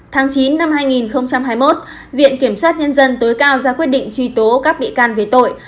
tháng chín năm hai nghìn hai mươi một viện kiểm sát nhân dân tối cao ra quyết định truy tố các bị can về tội